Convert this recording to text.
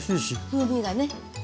風味がね。